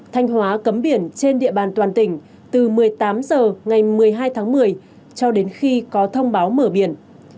thanh hóa cấm biển trên địa bàn toàn tỉnh từ một mươi tám h ngày một mươi hai tháng một mươi cho đến khi có thông báo mở biển